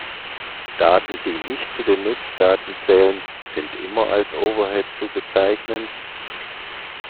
Daten, die nicht zu den Nutzdaten zählen, sind immer als Overhead zu bezeichnen?